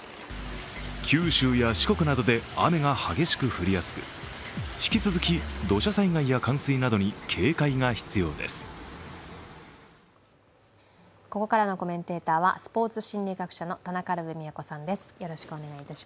九州や四国などで雨が激しく降りやすく引き続き土砂災害や冠水などにここからのコメンテーターはスポーツ心理学者の田中ウルヴェ京さんです。